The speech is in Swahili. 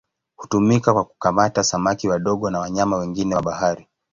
Hutumika kwa kukamata samaki wadogo na wanyama wengine wa bahari.